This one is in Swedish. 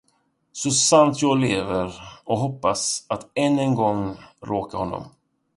Så sant jag lever och hoppas att än en gång råka honom.